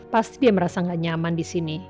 pasti dia merasa nggak nyaman di sini